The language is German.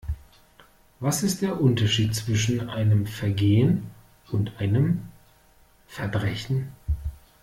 Was ist der Unterschied zwischen einem Vergehen und einem Verbrechen?